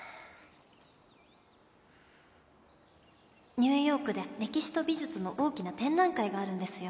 ニューヨークで歴史と美術の大きな展覧会があるんですよ。